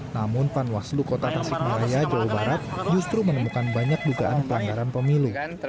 namun panwaslu kota tasikmalaya jawa barat justru menemukan banyak dugaan pelanggaran pemilu